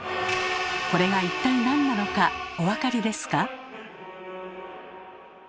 これが一体なんなのかお分かりですか？